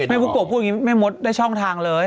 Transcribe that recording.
มันบุ๊กโกะพูดงี้ไม่มดได้ช่องทางเลย